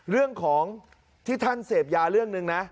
เรื่องของที่ท่านเสพยาเรื่องหนึ่งนะ